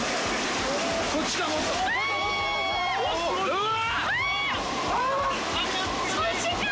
・うわ！